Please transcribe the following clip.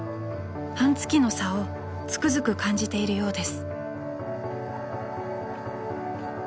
［半月の差をつくづく感じているようです］